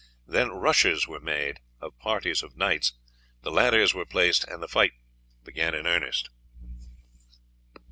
Then rushes were made by parties of knights, the ladders were placed, and the fight began in earnest.